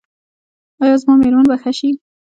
ایا زما میرمن به ښه شي؟